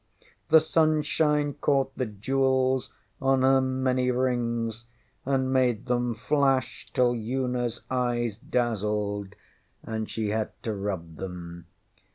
The sunshine caught the jewels on her many rings and made them flash till UnaŌĆÖs eyes dazzled, and she had to rub them.